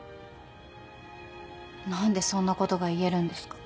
何でそんなことが言えるんですか？